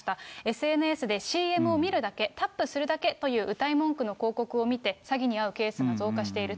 ＳＮＳでＣＭを見るだけ、タップするだけという、うたい文句の広告を見て、詐欺に遭うケースが増加している。